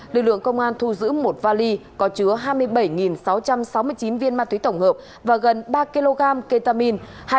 lực lượng công an thu giữ một vali có chứa hai mươi bảy sáu trăm sáu mươi chín viên ma túy tổng hợp và gần ba kg ketamine